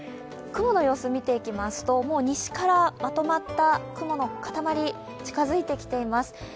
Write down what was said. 雲の様子を見ていきますともう西からまとまった雲の塊、近づいてきています。